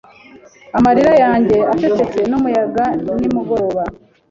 amarira yanjye acecetse Numuyaga nimugoroba